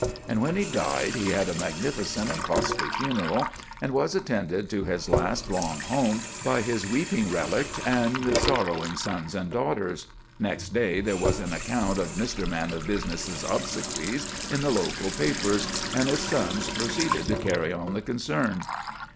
And when he died he had a magnificent and costly funeral and was attended to his last long home by his weeping relict and sorrowing sons and daughters. Next day there was an account of Mr. Man of Business's obsequies in the local papers, and his sons proceeded to carry on the concern.